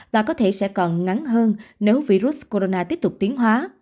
và có thể sẽ còn ngắn hơn nếu virus corona tiếp tục tiến hóa